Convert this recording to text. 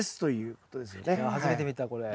初めて見たこれ。